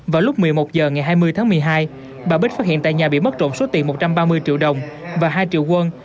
vào lúc một mươi một h ngày hai mươi tháng một mươi hai bà bích phát hiện tại nhà bị mất trộm số tiền một trăm ba mươi triệu đồng và hai triệu quân